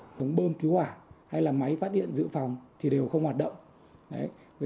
hệ thống bơm cứu hỏa hay là máy phát điện dự phòng thì đều không hoạt động